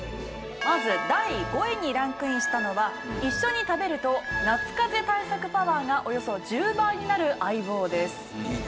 まず第５位にランクインしたのは一緒に食べると夏かぜ対策パワーがおよそ１０倍になる相棒です